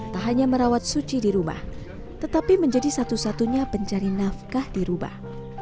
tak hanya merawat suci di rumah tetapi menjadi satu satunya pencari nafkah di rubah